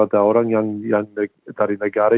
ada orang yang dari negara